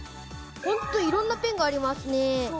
本当いろんなペンがありますね。